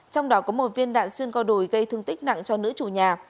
trong đó có một viên đạn xuyên co đùi gây thương tích nặng cho nữ chủ nhà